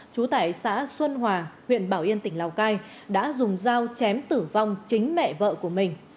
trú tại xã xuân hòa huyện bảo yên tỉnh lào cai đã dùng dao chém tử vong chính mẹ vợ của mình